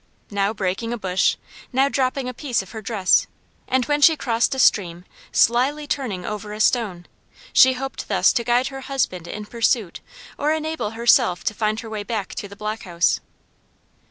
Now breaking a bush, now dropping a piece of her dress, and when she crossed a stream, slyly turning over a stone, she hoped thus to guide her husband in pursuit or enable herself to find her way back to the block house.